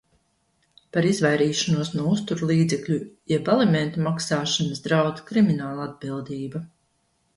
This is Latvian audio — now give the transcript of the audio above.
Par izvairīšanos no uzturlīdzekļu jeb alimentu maksāšanas draud kriminālatbildība.